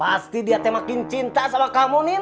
pasti dia teh makin cinta sama kamu nin